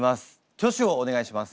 挙手をお願いします。